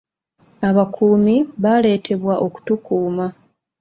Abakuumi baaletebwa okutukuuma